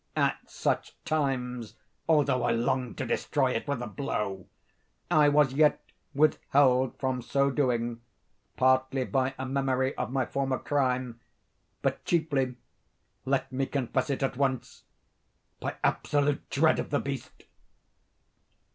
At such times, although I longed to destroy it with a blow, I was yet withheld from so doing, partly by a memory of my former crime, but chiefly—let me confess it at once—by absolute dread of the beast.